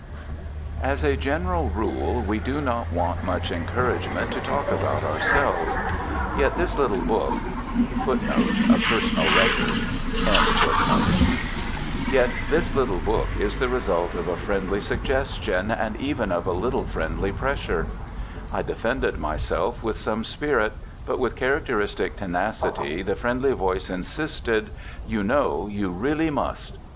As a general rule we do not want much encouragement to talk about ourselves; yet this little book[A] is the result of a friendly suggestion, and even of a little friendly pressure. I defended myself with some spirit; but, with characteristic tenacity, the friendly voice insisted, "You know, you really must."